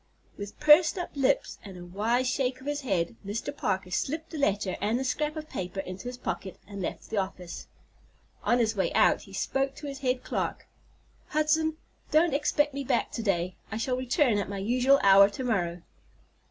With pursed up lips and a wise shake of his head, Mr. Parker slipped the letter and the scrap of paper into his pocket, and left the office. On his way out he spoke to his head clerk: "Hudson, don't expect me back to day. I shall return at my usual hour to morrow."